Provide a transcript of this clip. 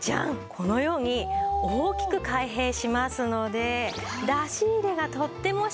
このように大きく開閉しますので出し入れがとってもしやすいんです。